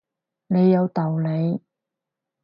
你有道理